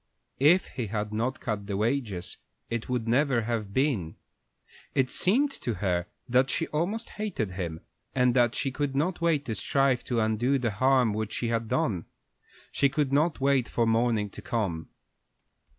If he had not cut the wages it would never have been. It seemed to her that she almost hated him, and that she could not wait to strive to undo the harm which she had done. She could not wait for morning to come.